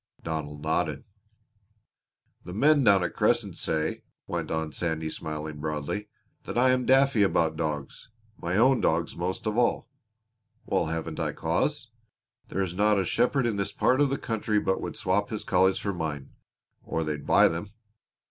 Donald nodded. "The men down at Crescent say," went on Sandy smiling broadly, "that I am daffy about dogs my own dogs most of all. Well, haven't I cause? There is not a shepherd in this part of the country but would swap his collies for mine; or they'd buy them.